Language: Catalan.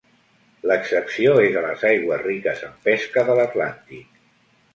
L'excepció és a les aigües riques en pesca de l'Atlàntic.